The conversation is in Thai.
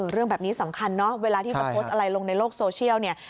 เรื่องแบบนี้สำคัญเนอะเวลาที่จะโพสต์อะไรลงในโลกโซเชียลเนี่ย